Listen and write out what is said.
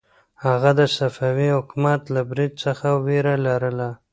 هغه د صفوي حکومت له برید څخه وېره لرله.